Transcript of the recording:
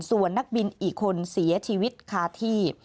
ส่วนนักบินอีกคนเสียชีวิตคาที่